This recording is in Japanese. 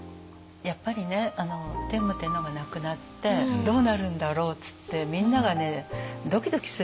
やっぱりね天武天皇が亡くなってどうなるんだろうっつってみんながドキドキするわけですよ。